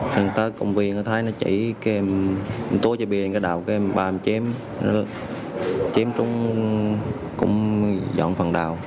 xong tới công viên ở thái nó chỉ cái em tố chơi bìa cái đào cái em bà em chém chém trong cũng dọn phần đào